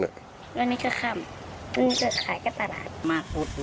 วันนี้ก็ค่ำวันนี้จะขายกับตลาดมาก